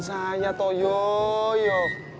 banyak lagi yang cakep